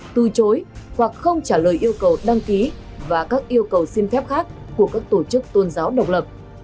từ chối hoặc không trả lời yêu cầu đăng ký và các yêu cầu xin phép khác của các tổ chức tôn giáo độc lập